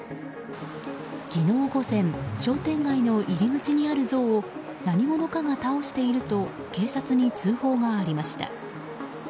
昨日午前、商店街の入り口にある像を何者かが倒していると警察に通報がありました。